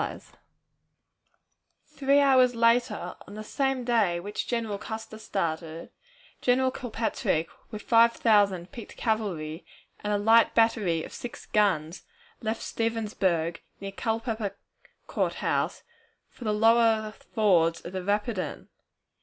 [Illustration: General Wade Hampton] Three hours later, on the same day on which General Custer started, General Kilpatrick with five thousand picked cavalry and a light battery of six guns, left Stevensburg, near Culpeper Court House, for the lower fords of the Rapidan.